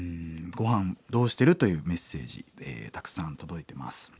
「ごはんどうしてる？」というメッセージたくさん届いてます。